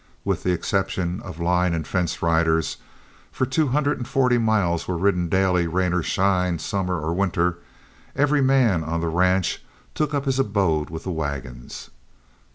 With the exception of line and fence riders, for two hundred and forty miles were ridden daily, rain or shine, summer or winter, every man on the ranch took up his abode with the wagons.